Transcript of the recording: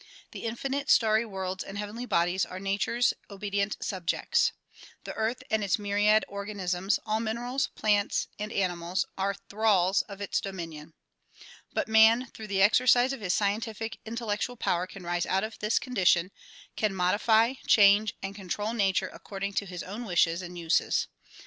The infinite starry worlds and heavenly bodies are nature's obedient subjects. The earth and its myriad organisms, all minerals, plants and animals are thralls of its dominion. But man through the exercise of his scientific, intellectual power can rise out of this condition, can modify, change and control nature according to his own wishes and uses.